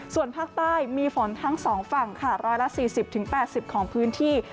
ส่วนภาคใต้มีฝนทั้ง๒ฝั่งค่ะ๑๔๐๘๐ของพื้นที่